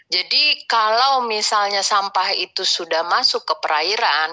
jadi kalau misalnya sampah itu sudah masuk ke perairan